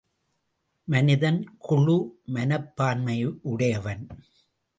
மனிதன் குழு மனப்பான்மையுடையவன்.